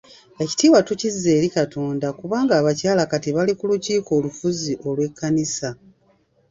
Ekitiibwa tukizza eri Katonda kubanga abakyala kati bali ku lukiiko olufuzi olw'ekkanisa.